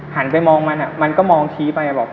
หันไปมองมันมันก็มองทีไป